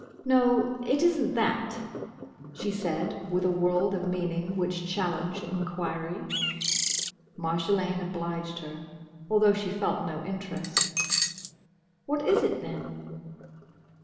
"No, it is n't that," she said with a world of meaning which challenged enquiry. Marjolaine obliged her, although she felt no interest. "What is it, then?"